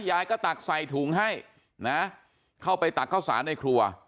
ยายก็ตักใส่ถุงให้นะเข้าไปตักข้าวสารในครัว